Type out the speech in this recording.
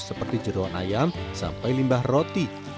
seperti jeruan ayam sampai limbah roti